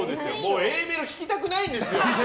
Ａメロ聴きたくないんですよ！